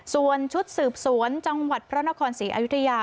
ส่วนชุดสืบสวนจังหวัดพระนครศรีอยุธยา